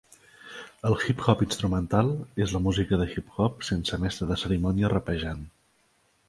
El hip hop instrumental és la música de hip hop sense mestre de cerimònies rapejant.